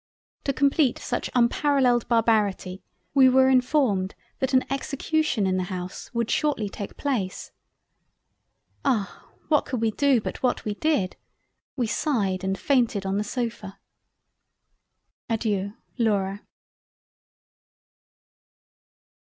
To compleat such unparalelled Barbarity we were informed that an Execution in the House would shortly take place. Ah! what could we do but what we did! We sighed and fainted on the sofa. Adeiu Laura.